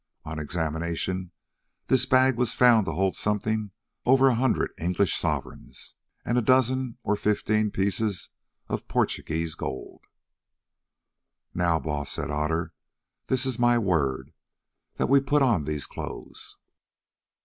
On examination this bag was found to hold something over a hundred English sovereigns and a dozen or fifteen pieces of Portuguese gold. "Now, Baas," said Otter, "this is my word, that we put on these clothes."